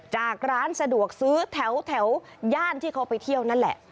จากร้านสะดวกซื้อแถวย่านที่เขาไปเที่ยวนั่นแหละ